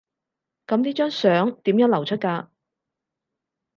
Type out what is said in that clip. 噉呢張相點樣流出㗎？